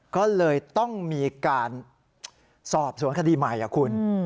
ก็เลยต้องมีการสอบสวนคดีใหม่คุณ